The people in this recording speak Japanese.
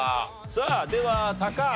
さあでは高橋。